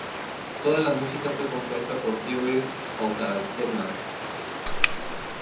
Toda la música fue compuesta por Theory of a Deadman.